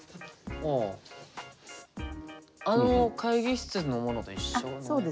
あの会議室のものと一緒のものですね。